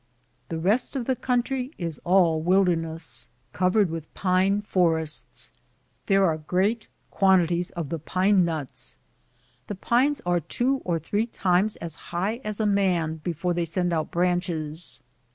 The rest of the country is all wilderness, covered with pine forests. There are great quantities of the pine nuts. The pines are two or three times as high as a man before they send out branches.